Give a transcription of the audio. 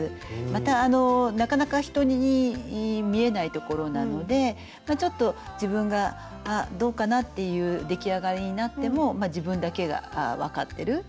またなかなか人に見えない所なのでちょっと自分が「あっどうかな」っていう出来上がりになってもまあ自分だけが分かってる。